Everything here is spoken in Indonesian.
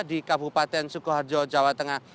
di kabupaten sukoharjo jawa tengah